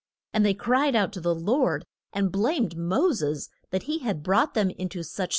And they cried out to the Lord, and blamed Mo ses that he had brought them in to such straits.